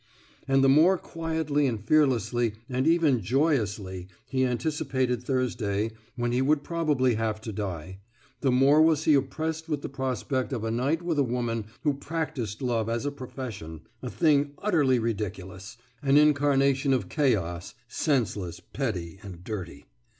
And the more quietly and fearlessly, and even joyously, he anticipated Thursday, when he would probably have to die, the more was he oppressed with the prospect of a night with a woman who practised love as a profession, a thing utterly ridiculous, an incarnation of chaos, senseless, petty, and dirty.